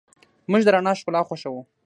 موږ د رڼا ښکلا خوښو.